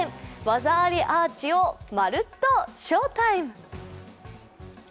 技ありアーチをまるっと翔タイム！